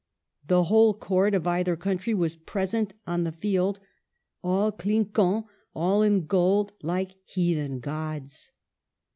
The whole court of either country was present on the field, '' All clinquant, all in gold, like heathen gods."